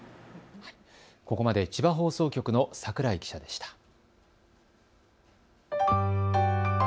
ここまで千葉放送局の櫻井記者でした。